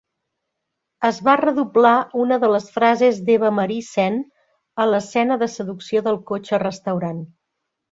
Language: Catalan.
Es va redoblar una de les frases d'Eva Marie Saint a l'escena de seducció del cotxe restaurant.